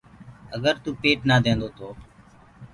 اگر توُ پيٽ نآ دينٚدو تو